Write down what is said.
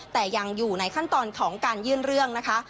แต่ยังอยู่ในขั้นตอนของการยื่นเรื่องนะคะ